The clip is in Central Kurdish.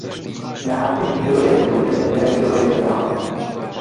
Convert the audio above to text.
ناهەقییەکی گەورەیە بگوترێت هەنگاوی گەورەی نەناوە